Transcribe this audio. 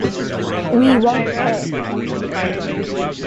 We won't pay!